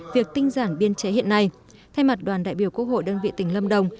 việc tinh giản biên chế hiện nay thay mặt đoàn đại biểu quốc hội đơn vị tỉnh lâm đồng